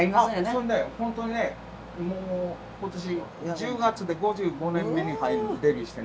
そんで本当にねもう今年１０月で５５年目に入るのデビューしてね。